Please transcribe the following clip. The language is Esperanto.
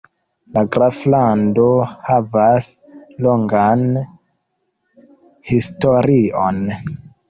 La graflando havas longan historion.